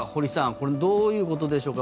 これ、どういうことでしょうか。